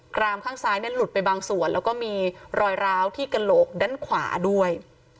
รามข้างซ้ายหลุดไปบางส่วนแล้วก็มีรอยร้าวที่กระโหลกด้านขวาด้วย